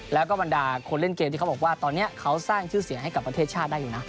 แล้วก็บรรดาคนเล่นเกมที่เขาบอกว่าตอนนี้เขาสร้างชื่อเสียงให้กับประเทศชาติได้อยู่นะ